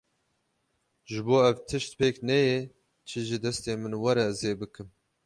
Ji bo ev tişt pêk neyê çi ji destên min were ez ê bikim.